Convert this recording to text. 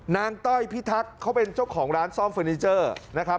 ต้อยพิทักษ์เขาเป็นเจ้าของร้านซ่อมเฟอร์นิเจอร์นะครับ